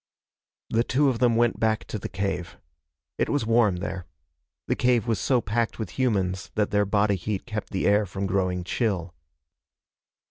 The two of them went back to the cave. It was warm there. The cave was so packed with humans that their body heat kept the air from growing chill.